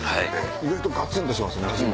意外とガツンとしてますね味も。